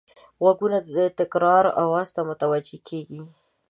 غوږونه د تکرار آواز ته متوجه کېږي